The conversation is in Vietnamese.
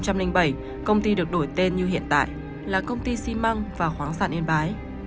công ty được đổi tên như hiện tại là công ty xi măng và khoáng sản yên bái